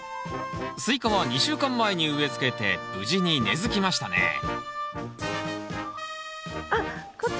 スイカは２週間前に植えつけて無事に根づきましたねあっこっち